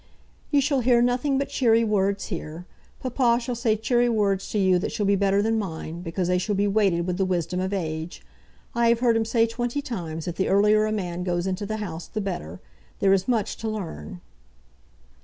"You shall hear nothing but cheery words here. Papa shall say cheery words to you that shall be better than mine, because they shall be weighted with the wisdom of age. I have heard him say twenty times that the earlier a man goes into the House the better. There is much to learn."